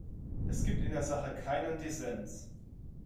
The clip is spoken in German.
Es gibt in der Sache keinen Dissens.